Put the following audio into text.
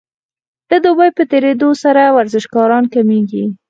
د دوبي په تیریدو سره ورزشکاران کمیږي